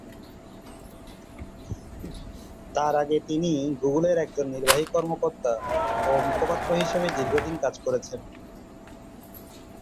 তার আগে তিনি গুগলের একজন নির্বাহী কর্মকর্তা ও মুখপাত্র হিসেবে দীর্ঘ দিন কাজ করেছেন।